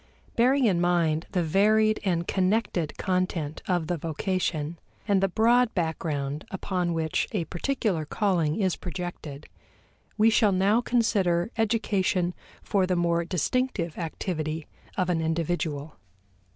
Bearing in mind the varied and connected content of the vocation, and the broad background upon which a particular calling is projected, we shall now consider education for the more distinctive activity of an individual.